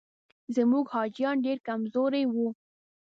زموږ حاجیان ډېر کمزوري وو.